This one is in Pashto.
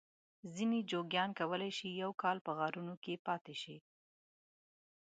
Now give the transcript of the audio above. ځینې جوګیان کولای شي یو کال په غارونو کې پاته شي.